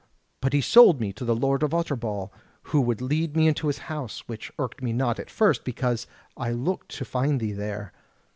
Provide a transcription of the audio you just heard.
But he sold me to the Lord of Utterbol, who would lead me to his house; which irked me not, at first, because I looked to find thee there.